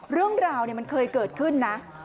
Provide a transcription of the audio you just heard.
เรื่องราวมันเคยเกิดขึ้นนะ